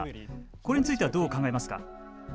これについてはどう考えますか。